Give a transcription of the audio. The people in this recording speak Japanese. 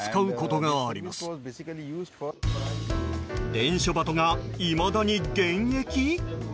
伝書鳩がいまだに現役？